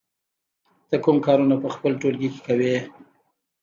ته کوم کارونه په خپل ټولګي کې کوې؟